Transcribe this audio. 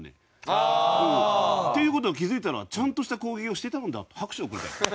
ああー！っていう事を気付いたらちゃんとした攻撃をしてたんだって拍手を送りたい。